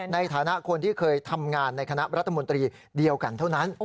ในฐานะคนที่เคยทำงานในคณะรัฐมนตรีเดียวกันเท่านั้น